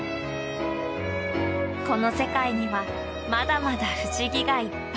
この世界にはまだまだ不思議がいっぱい。